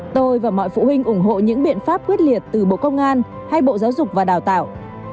tôi và mọi phụ huynh ủng hộ những biện pháp quyết liệt từ bộ công an hay bộ giáo dục và đào tạo